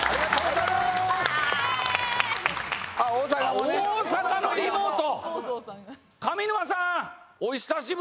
・大阪のリモート！